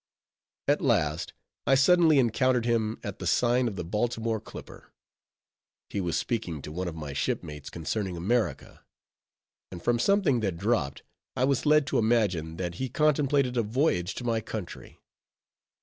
At last I suddenly encountered him at the sign of the Baltimore Clipper. He was speaking to one of my shipmates concerning America; and from something that dropped, I was led to imagine that he contemplated a voyage to my country.